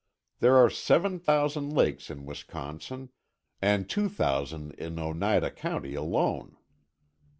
There are seven thousand in Wisconsin, and two thousand in Oneida County alone."